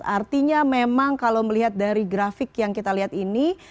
artinya memang kalau melihat dari grafik yang kita lihat ini